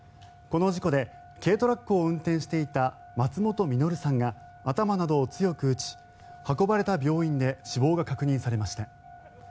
この事故で軽トラックを運転していた松本実さんが頭などを強く打ち運ばれた病院で死亡が確認されました。